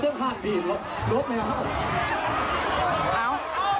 กรรมการนับ๘นู